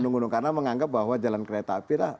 gunung gunung karena menganggap bahwa jalan kereta api lah